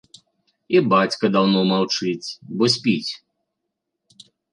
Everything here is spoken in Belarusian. І бацька даўно маўчыць, бо спіць.